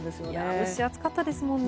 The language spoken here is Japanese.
蒸し暑かったですもんね。